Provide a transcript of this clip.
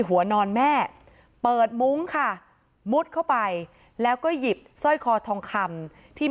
หัวนอนแม่เปิดมุ้งค่ะมุดเข้าไปแล้วก็หยิบสร้อยคอทองคำที่